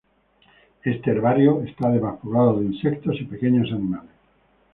Este herbario está además poblado de insectos y pequeños animales.